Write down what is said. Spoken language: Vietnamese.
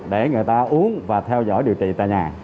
để người ta uống và theo dõi điều trị tại nhà